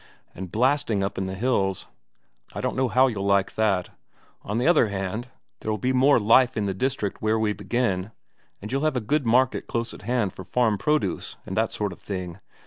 And blasting up in the hills I don't know how you'll like that. On the other hand, there'll be more life in the district where we begin, and you'll have a good market close at hand for farm produce and that sort of thing.